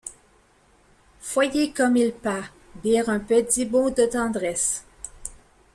Foyez gomme il pat... bir un bedid mote te dentresse!...